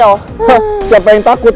hah siapa yang takut